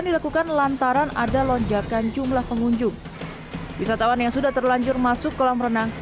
dilakukan lantaran ada lonjakan jumlah pengunjung wisatawan yang sudah terlanjur masuk kolam renang